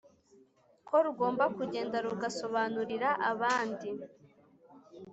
ko rugomba kugenda rugasobanurira abandi